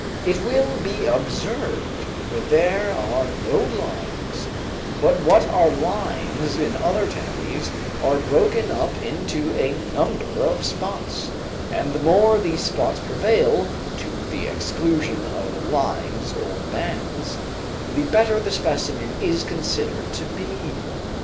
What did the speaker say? It will be observed that there are no lines, but what are lines in other tabbies are broken up into a number of spots, and the more these spots prevail, to the exclusion of lines or bands, the better the specimen is considered to be.